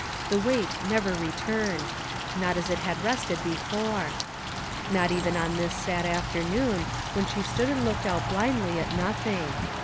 The weight never returned ; not as it had rested before ; not even on this sad afternoon, when she stood and looked out blindly at nothing.